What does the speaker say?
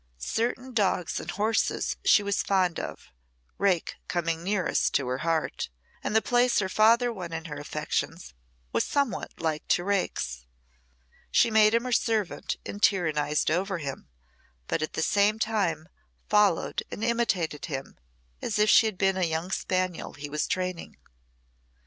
Certain dogs and horses she was fond of, Rake coming nearest to her heart, and the place her father won in her affections was somewhat like to Rake's. She made him her servant and tyrannised over him, but at the same time followed and imitated him as if she had been a young spaniel he was training.